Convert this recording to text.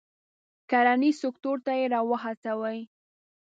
کرنیز سکتور ته یې را و هڅوي.